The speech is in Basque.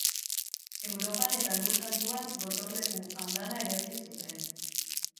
Europan eta Lur Santuan gotorleku andana eraiki zuten.